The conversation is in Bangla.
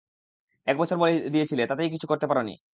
এক বছর দিয়েছিল, তাতেই কিছু করতে পারিনি।